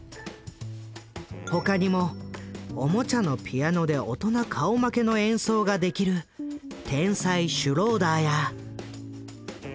他にもおもちゃのピアノで大人顔負けの演奏ができる天才シュローダーや。